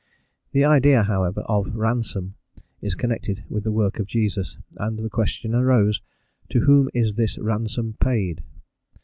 The idea, however, of "ransom" is connected with the work of Jesus, and the question arose, "to whom is this ransom paid?"